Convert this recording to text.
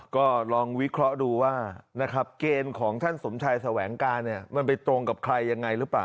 ก็ลองวิเคราะห์ดูว่านะครับเกณฑ์ของท่านสมชัยแสวงการมันไปตรงกับใครยังไงหรือเปล่า